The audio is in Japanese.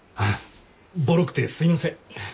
ボロくてすいません。